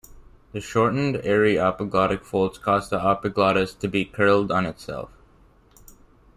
The shortened aryepiglottic folds cause the epiglottis to be curled on itself.